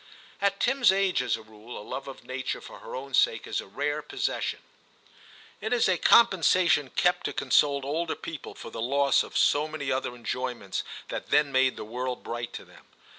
At Tim's age, as a rule, a love of nature for her own sake is a rare possession ; it is a compensation kept to console older people for the loss of so many other enjoyments that then made the world bright to them.